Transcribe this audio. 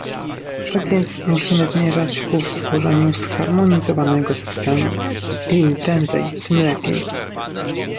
Tak więc musimy zmierzać ku stworzeniu zharmonizowanego systemu - i im prędzej, tym lepiej